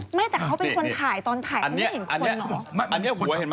ไม่แต่เขาเป็นคนถ่ายตอนถ่ายเขาไม่เห็นคนเขาบอก